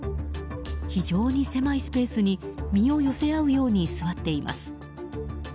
非常に狭いスペースに身を寄せ合うように座っています。